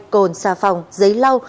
cồn xà phòng giấy lau